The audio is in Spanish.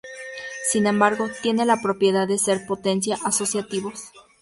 Sin embargo, tienen la propiedad de ser potencia-asociativos.